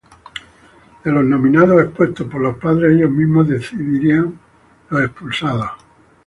De los nominados expuestos por los padres, ellos mismos decidían los expulsados.